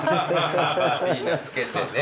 いいの着けてね。